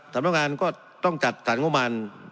สำนักงานก็ต้องจัดสรรค์งบมัน